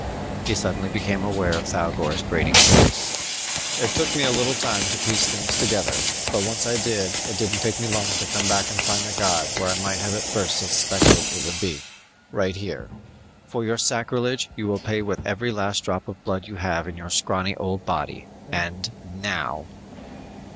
He suddenly became aware of Thougor's grating voice: "It took me a little time to piece things together, but once I did, it didn't take me long to come back and find the god where I might have at first suspected it would be right here! For your sacrilege you will pay with every last drop of blood you have in your scrawny old body and now!"